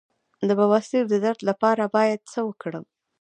د بواسیر د درد لپاره باید څه وکړم؟